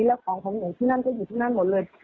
แล้วของของหนูที่นั่นก็อยู่ที่นั่นหมดเลย